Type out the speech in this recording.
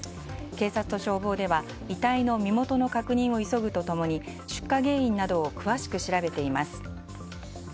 警察と消防では遺体の身元の確認を急ぐと共に出火原因などを詳しく調べています。